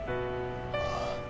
ああ。